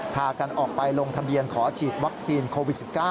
พากันออกไปลงทะเบียนขอฉีดวัคซีนโควิด๑๙